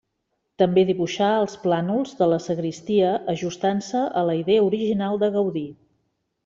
També dibuixà els plànols de la sagristia ajustant-se a la idea original de Gaudí.